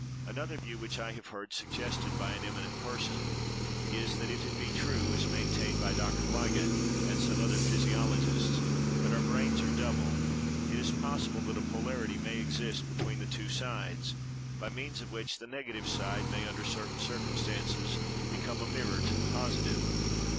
Another view, which I have heard suggested by an eminent person, is, that if it be true, as maintained by Dr. Wigan, and some other physiologists, that our brains are double, it is possible that a polarity may exist between the two sides, by means of which the negative side may, under certain circumstances, become a mirror to the positive.